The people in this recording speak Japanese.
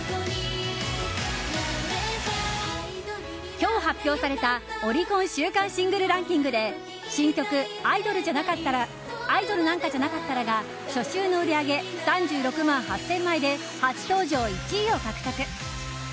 今日発表されたオリコン週間シングルランキングで新曲「アイドルなんかじゃなかったら」が初週の売り上げ３６万８０００枚で初登場１位を獲得。